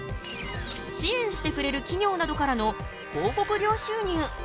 支援してくれる企業などからの広告料収入。